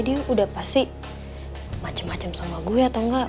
dia udah pasti macem macem sama gue atau enggak